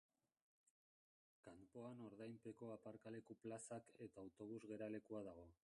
Kanpoan ordainpeko aparkaleku-plazak eta autobus geralekua dago.